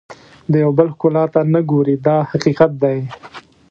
د یو بل ښکلا ته نه ګوري دا حقیقت دی.